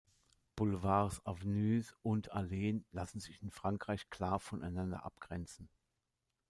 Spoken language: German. Boulevards, Avenues und Alleen lassen sich in Frankreich klar voneinander abgrenzen.